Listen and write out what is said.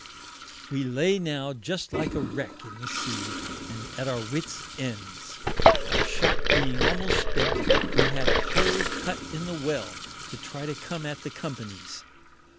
We lay now just like a Wreck in the Sea, and at our Wits Ends. Our Shot being almost spent, we had a Hole cut in the Well to try to come at the Company's.